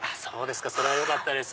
それはよかったです。